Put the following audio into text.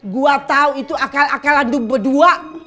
gue tau itu akal akalan lu berdua